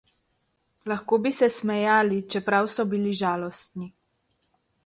Lahko bi se smejali, čeprav so bili žalostni.